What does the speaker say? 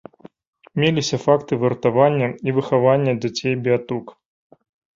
Меліся факты выратавання і выхавання дзяцей-беатук.